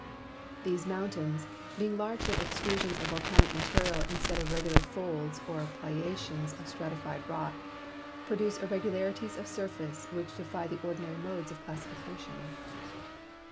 These mountains, being largely extrusions of volcanic material instead of regular folds or })lications of stratified rock, ])roduce irregularities of surface which defy the ordinary modes of classification.